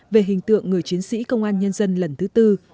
về hình tượng người chiến sĩ công an nhân dân lần thứ tư